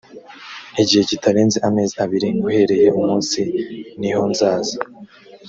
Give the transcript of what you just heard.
igihe kitarenze amezi abiri uhereye umunsi nihonzaza.